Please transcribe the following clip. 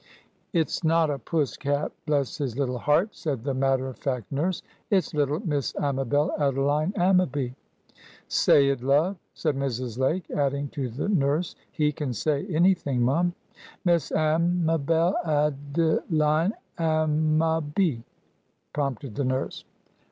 "It's not a puss cat, bless his little heart!" said the matter of fact nurse. "It's little Miss Amabel Adeline Ammaby." "Say it, love!" said Mrs. Lake, adding, to the nurse, "he can say any thing, mum." "Miss Am—abel Ad—e—line Am—ma—by," prompted the nurse.